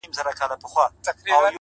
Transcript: او د آس پښو ته د وجود ټول حرکات ولېږه-